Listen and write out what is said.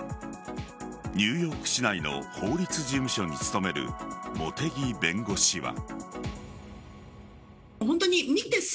ニューヨーク市内の法律事務所に勤める茂木弁護士は。